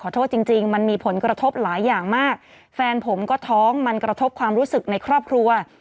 โทษจริงจริงมันมีผลกระทบหลายอย่างมากแฟนผมก็ท้องมันกระทบความรู้สึกในครอบครัว